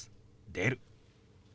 「出る」。